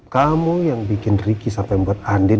kamu yang bikin ricky sampai membuat andin